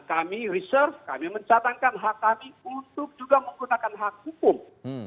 kami reserve kami mencatangkan hak kami untuk juga menggunakan hak hukum